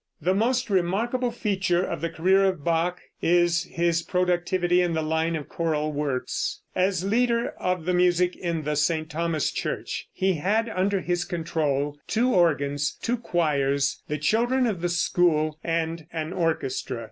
The most remarkable feature of the career of Bach is his productivity in the line of choral works. As leader of the music in the St. Thomas church, he had under his control two organs, two choirs, the children of the school and an orchestra.